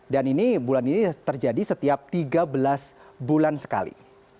dan ini bulan ini terjadi setiap tiga belas bulan sekali